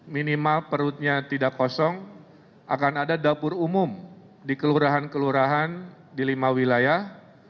minimal perutnya tidak kosong akan ada dapur umum di kelurahan kelurahan di lima wilayah